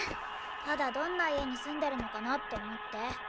ただどんな家に住んでるのかなって思って。